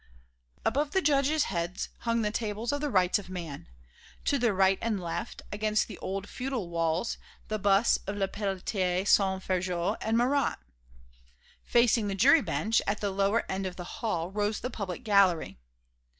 Above the judges' heads hung the tables of the Rights of Man; to their right and left, against the old feudal walls, the busts of Le Peltier Saint Fargeau and Marat. Facing the jury bench, at the lower end of the hall, rose the public gallery.